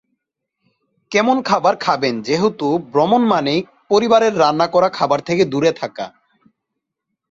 কেমন খাবার খাবেনযেহেতু ভ্রমণ মানেই পরিবারের রান্না করা খাবার থেকে দূরে থাকা।